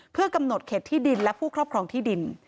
เพื่อกำหนดเขตที่ดินและผู้ครอบครองที่ดิน